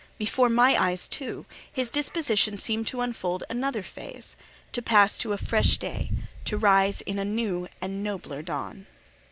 Before my eyes, too, his disposition seemed to unfold another phase; to pass to a fresh day: to rise in new and nobler dawn.